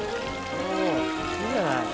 おぉいいじゃない。